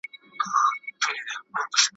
زه د خپل وجود په وینو دلته شمعي بلومه `